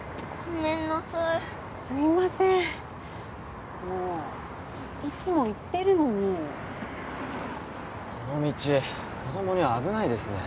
ごめんなさいすいませんもういつも言ってるのにこの道子供には危ないですね